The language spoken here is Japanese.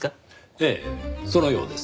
ええそのようです。